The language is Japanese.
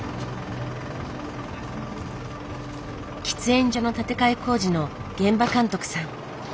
喫煙所の建て替え工事の現場監督さん。